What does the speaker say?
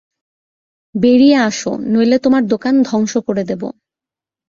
বেরিয়ে আসো, নইলে তোমার দোকান ধ্বংস করে দেব।